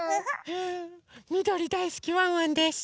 みどりだいすきワンワンです！